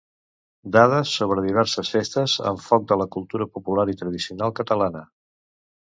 Dades sobre diverses festes amb foc de la cultura popular i tradicional catalana.